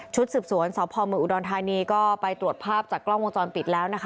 สืบสวนสพเมืองอุดรธานีก็ไปตรวจภาพจากกล้องวงจรปิดแล้วนะคะ